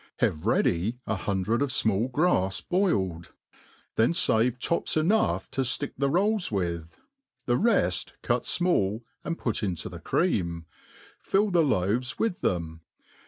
Have ready a hundred of fmall grafs boiled ; then fave tops enough to flick the rolls with, the refl cut fmall and put into the cream, fill the loaves with them.